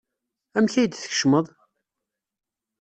Amek ay d-tkecmeḍ?